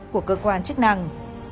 của cơ quan chức năng